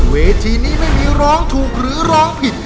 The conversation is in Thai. เวทีนี้ไม่มีร้องถูกหรือร้องผิด